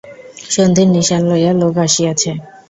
সন্ধির নিশান লইয়া লোক আসিয়াছে।